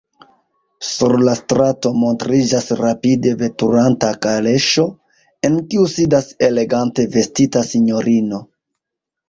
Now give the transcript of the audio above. Sur la strato montriĝas rapide veturanta kaleŝo, en kiu sidas elegante vestita sinjorino.